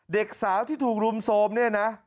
เด็กสาวที่ถูกรุมโทรมเนี่ยนะ